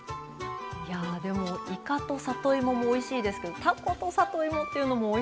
いやでもいかと里芋もおいしいですけどたこと里芋っていうのもおいしそうですね。